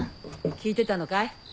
聞いてたのかい？